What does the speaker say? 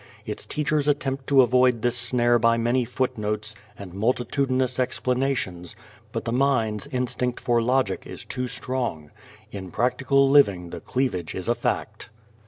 Its teachers attempt to avoid this snare by many footnotes and multitudinous explanations, but the mind's instinct for logic is too strong. In practical living the cleavage is a fact.